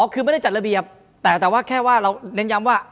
คือไม่ได้จัดระเบียบแต่ว่าแค่ว่าเราเน้นย้ำว่า